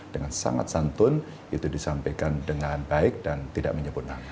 dengan sangat santun itu disampaikan dengan baik dan tidak menyebut nama